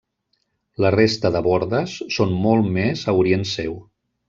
La resta de bordes són molt més a orient seu.